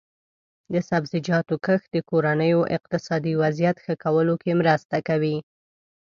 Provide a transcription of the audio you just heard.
د سبزیجاتو کښت د کورنیو اقتصادي وضعیت ښه کولو کې مرسته کوي.